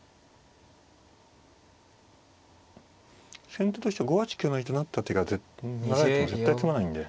先手としては５八香成と成った手が成られても絶対詰まないんで。